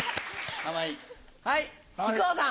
はい木久扇さん。